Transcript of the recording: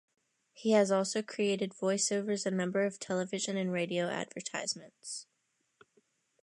He has also created voice-overs a number of television and radio advertisements.